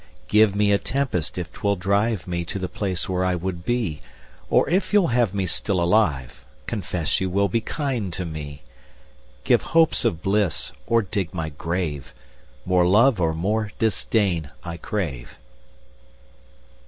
Give me a tempest if 'twill drive Me to the place where I would be; Or if you'll have me still alive, Confess you will be kind to me. 10 Give hopes of bliss or dig my grave: More love or more disdain I crave.